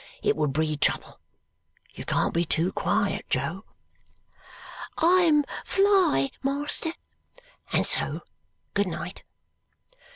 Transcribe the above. It would breed trouble. You can't be too quiet, Jo." "I am fly, master!" And so, good night.